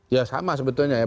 ya sama sebetulnya ya